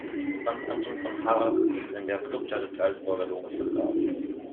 Franz Anton von Harrach ist in der Krypta des Salzburger Domes begraben.